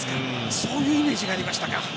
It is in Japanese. そういうイメージがありましたか。